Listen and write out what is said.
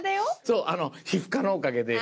そう皮膚科のおかげで。